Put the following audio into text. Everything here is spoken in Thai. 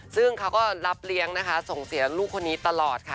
ซึ่งเขาก็รับเลี้ยงนะคะส่งเสียลูกคนนี้ตลอดค่ะ